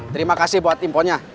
terima kasih buat imponnya